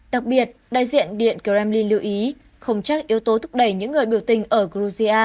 đặc biệt đại diện điện kremlin lưu ý không chắc yếu tố thúc đẩy những người biểu tình ở georgia